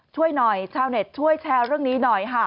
ช่วยหน่อยชาวเน็ตช่วยแชร์เรื่องนี้หน่อยค่ะ